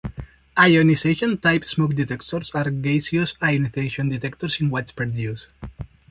Ionization-type smoke detectors are gaseous ionization detectors in widespread use.